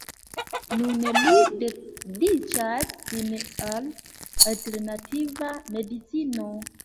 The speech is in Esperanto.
Nun li dediĉas sin al alternativa medicino.